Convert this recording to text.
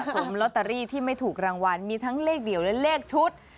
ลอตเตอรี่ที่ไม่ถูกรางวัลมีทั้งเลขเดี่ยวและเลขชุด